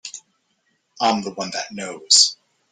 I'm the one that knows.